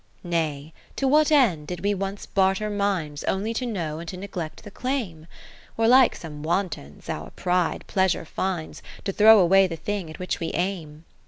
IV Nay, to what end did we once barter minds. Only to know and to neglect the claim ? Or (like some wantons) our pride pleasure finds, To throw away the thing at which we aim.